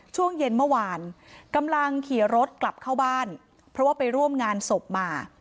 ช่วงเย็นเมื่อวานกำลังขี่รถกลับเข้าบ้านเพราะว่าไปร่วมงานศพมา